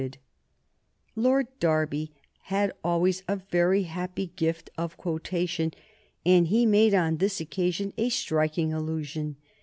[Sidenote: 1834 Lord Derby] Lord Derby had always a very happy gift of quotation, and he made on this occasion a striking allusion.